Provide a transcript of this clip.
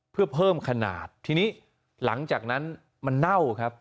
เพื่อเพิ่มขนาดทีนี้หลังจากนั้นมันเน่าครับ